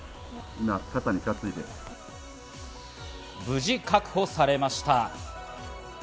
無事確保されました。